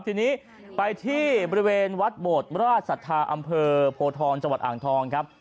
ตอนนี้ไปที่บริเวณวัดบดราชศรัทธาอำเภอโพธรจอ่างทองครับ